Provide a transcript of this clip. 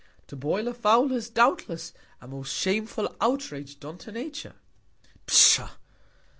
To boil a Fowl is, doubtless, a most shameful Outrage done to Nature. Pshaw!